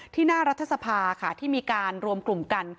หน้ารัฐสภาค่ะที่มีการรวมกลุ่มกัน